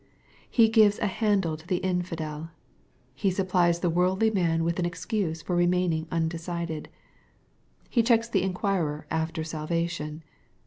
He gives a handle to the infidel. He supplies the worldly man with an excuse for remaining undecided. He checks the inquirer after salvation.